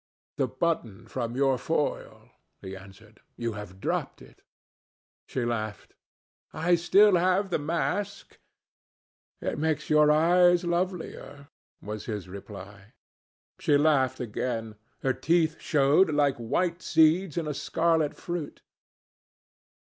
"The button from your foil," he answered. "You have dropped it." She laughed. "I have still the mask." "It makes your eyes lovelier," was his reply. She laughed again. Her teeth showed like white seeds in a scarlet fruit.